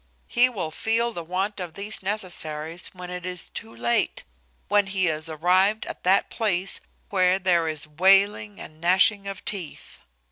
He will feel the want of these necessaries when it is too late, when he is arrived at that place where there is wailing and gnashing of teeth.